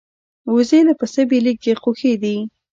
وزې له پسه بېلېږي خو ښې دي